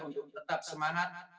untuk tetap semangat